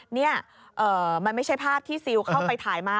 นี่มันไม่ใช่ภาพที่ซิลเข้าไปถ่ายมา